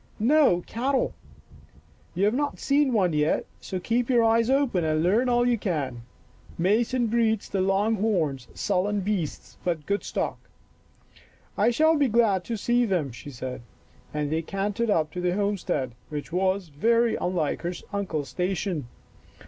"" No, cattle. You have not seen one yet, so keep your eyes open and learn all you can. Mason breeds the long horns, sullen beasts, but good stock." " I shall be glad to see them," she said, and they cantered up to the homestead, which was very unlike her uncle's station.